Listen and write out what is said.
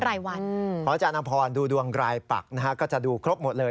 เพราะอาจารย์อำพรดูดวงรายปักนะฮะก็จะดูครบหมดเลย